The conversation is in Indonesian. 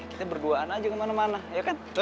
kita berduaan aja kemana mana ya kan